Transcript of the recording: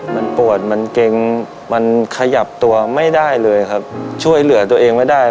มันปวดมันเกร็งมันขยับตัวไม่ได้เลยครับช่วยเหลือตัวเองไม่ได้